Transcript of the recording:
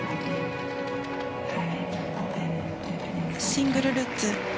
シングルルッツ。